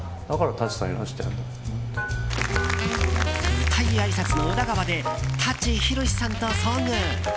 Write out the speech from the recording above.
舞台あいさつの裏側で舘ひろしさんと遭遇。